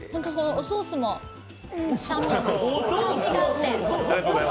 おソースも酸味があって。